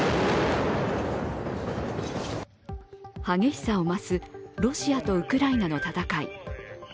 激しさを増すロシアとウクライナの戦い。